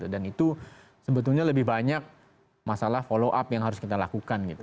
dan itu sebetulnya lebih banyak masalah follow up yang harus kita lakukan